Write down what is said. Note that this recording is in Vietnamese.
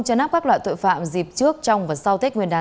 cho nắp các loại tội phạm dịp trước trong và sau tết nguyên đại